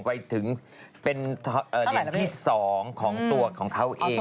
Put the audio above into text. ไปถึงเป็นเหรียญที่๒ของตัวของเขาเอง